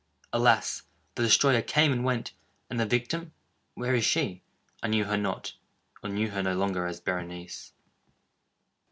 Alas! the destroyer came and went!—and the victim—where is she? I knew her not—or knew her no longer as Berenice.